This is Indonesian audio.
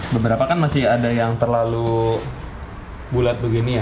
beberapa kan masih ada yang terlalu bulat begini ya